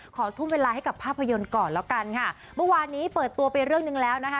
ทุ่มเวลาให้กับภาพยนตร์ก่อนแล้วกันค่ะเมื่อวานนี้เปิดตัวไปเรื่องหนึ่งแล้วนะคะ